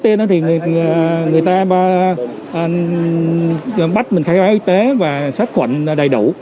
vô đây thì mình giúp tiên thì người ta bắt mình khai báo y tế và xác quận đầy đủ